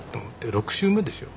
６週目ですよ。